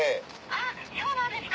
あぁそうなんですか。